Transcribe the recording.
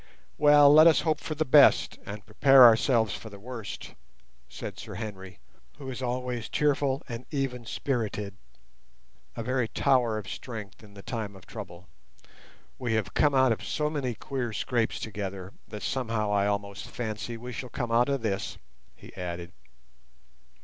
"Well, let us hope for the best and prepare ourselves for the worst," said Sir Henry, who is always cheerful and even spirited—a very tower of strength in the time of trouble. "We have come out of so many queer scrapes together, that somehow I almost fancy we shall come out of this," he added.